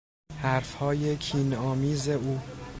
حرفهای کینآمیز او